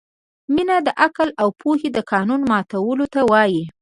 مینه د عقل او پوهې د قانون ماتولو ته وايي.